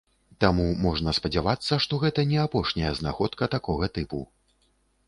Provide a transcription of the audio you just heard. Таму можна спадзявацца, што гэта не апошняя знаходка такога тыпу.